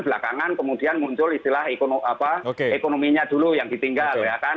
belakangan kemudian muncul istilah ekonominya dulu yang ditinggal ya kan